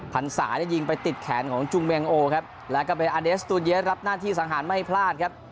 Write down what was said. พันศาได้ยิงไปติดแขนของจุงเมงโอครับแล้วก็เป็นอาเดสตูนเยสรับหน้าที่สังหารไม่พลาดครับ